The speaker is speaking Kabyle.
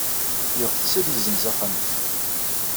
Yeɣtes ad yessenz axxam-nnes.